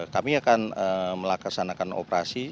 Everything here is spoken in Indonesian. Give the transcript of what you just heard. kami akan melaksanakan operasi